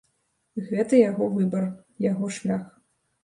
Гэта яго выбар, яго шлях.